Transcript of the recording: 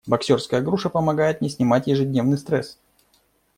Боксёрская груша помогает мне снимать ежедневный стресс.